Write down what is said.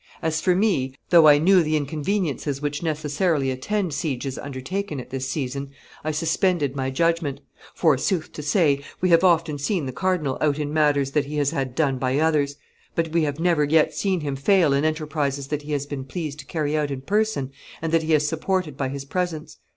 As for me, though I knew the inconveniencies which necessarily attend sieges undertaken at this season, I suspended my judgment; for, sooth to say, we have often seen the cardinal out in matters that he has had done by others, but we have never yet seen him fail in enterprises that he has been pleased to carry out in person and that he has supported by his presence.